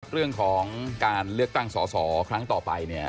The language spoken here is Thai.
เรื่องของการเลือกตั้งสอสอครั้งต่อไปเนี่ย